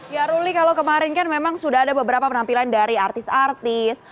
ya ruli kalau kemarin kan memang sudah ada beberapa penampilan dari artis artis